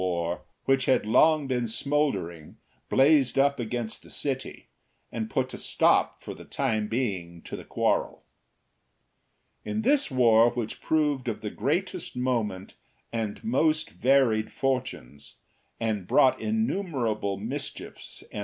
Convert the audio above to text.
2 5 which had long been smouldering, blazed up against the city and put a stop for the time being to the quarrel, In this war, which proved of the greatest moment and most varied fortunes, and brought innumerable mischiefs and.